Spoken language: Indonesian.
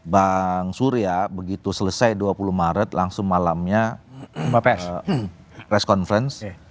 bang surya begitu selesai dua puluh maret langsung malamnya press conference